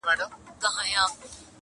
-هغه دي اوس له ارمانونو سره لوبي کوي-